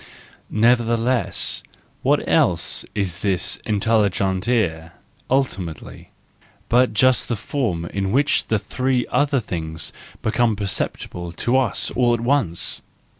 Neverthe¬ less, what else is this intelligere ultimately, but just the form in which the three other things become perceptible to us all at once?